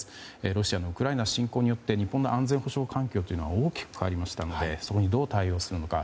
ロシアのウクライナ侵攻によって日本の安全保障環境は大きく変わりましたのでそこにどう対応するのか。